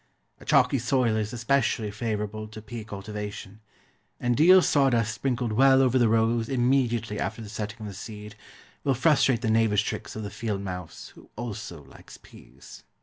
A chalky soil is especially favourable to pea cultivation; and deal sawdust sprinkled well over the rows immediately after the setting of the seed will frustrate the knavish tricks of the field mouse, who also likes peas.